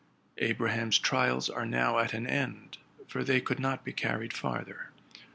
Abraham's trials are now at an end, for they could not be carried farther.